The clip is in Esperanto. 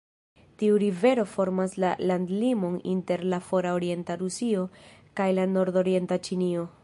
Tiu rivero formas la landlimon inter la fora orienta Rusio kaj la nordorienta Ĉinio.